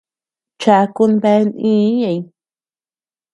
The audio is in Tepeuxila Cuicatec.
Chakun bea nïi ñëʼeñ.